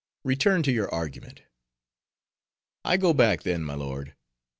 Return to your argument." "I go back then, my lord.